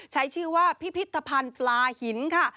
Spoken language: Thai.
ใช้ชื่อว่าพิพิธภัณฑ์ปลาหินค่ะ